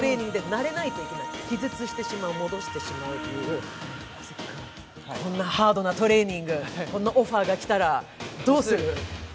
慣れない、気絶してしまう、戻してしまうという、そんなハードなトレーニング、こんなオファーが来たらどうする？